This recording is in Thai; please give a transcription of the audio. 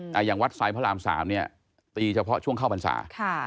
แต่อย่างวัดไซด์พระราม๓เนี่ยตีเฉพาะช่วงเข้าพรรษา